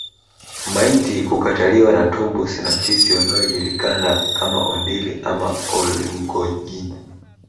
Maiti kukataliwa na tumbusi na fisi wanaojulikana kama Ondili ama Olngojine